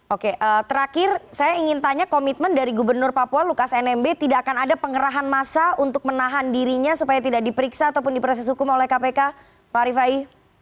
oke terakhir saya ingin tanya komitmen dari gubernur papua lukas nmb tidak akan ada pengerahan masa untuk menahan dirinya supaya tidak diperiksa ataupun diproses hukum oleh kpk pak rifai